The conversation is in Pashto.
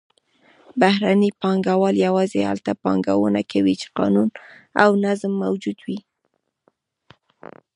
بهرني پانګهوال یوازې هلته پانګونه کوي چې قانون او نظم موجود وي.